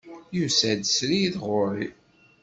Yusa-d srid ɣer-i.